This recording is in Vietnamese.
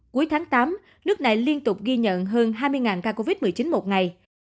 cuối tháng tám nước này liên tục ghi nhận hơn hai mươi ca covid một mươi chín một ngày